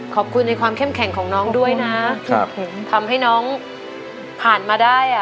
ขอบคุณในความเข้มแข็งของน้องด้วยนะครับผมทำให้น้องผ่านมาได้อ่ะ